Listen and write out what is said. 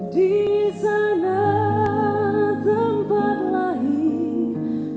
dia slogan yang paling menarik